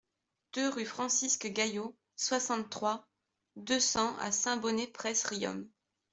deux rue Francisque Gaillot, soixante-trois, deux cents à Saint-Bonnet-près-Riom